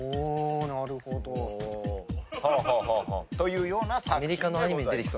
なるほど。というような作品でございます。